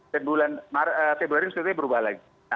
dan bulan februari berubah lagi